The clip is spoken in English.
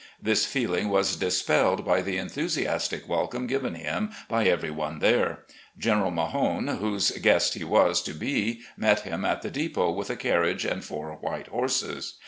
This feeling AN ADVISER OF YOUNG MEN 289 was dispelled by the enthusiastic welcome given him by every one there. General Mahone, whose guest he was to be, met him at the depot with a carriage and four white horses.